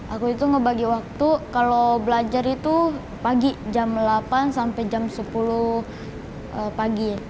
aku itu ngebagi waktu kalau belajar itu pagi jam delapan sampai jam sepuluh pagi